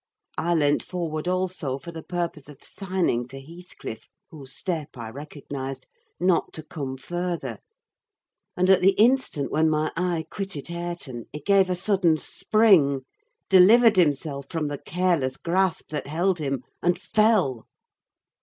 I leant forward also, for the purpose of signing to Heathcliff, whose step I recognised, not to come further; and, at the instant when my eye quitted Hareton, he gave a sudden spring, delivered himself from the careless grasp that held him, and fell.